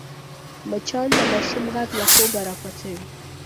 مچان د ماشوم غږ له خوبه راپاڅوي